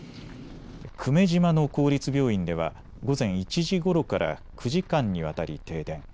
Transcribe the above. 久米島の公立病院では午前１時ごろから９時間にわたり停電。